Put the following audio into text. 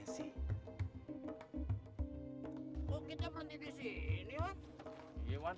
semua nambah nanti gaul